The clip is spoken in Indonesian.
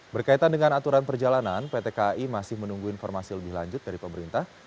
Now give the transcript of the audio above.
berkaitan dengan aturan perjalanan pt kai masih menunggu informasi lebih lanjut dari pemerintah